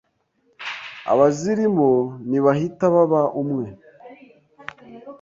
abazirimo ntibahita baba umwe.